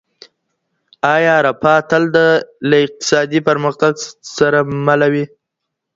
ایا رفاه تل له اقتصادي پرمختګ سره مله وي؟